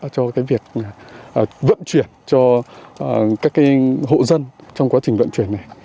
cho cái việc vận chuyển cho các cái hộ dân trong quá trình vận chuyển này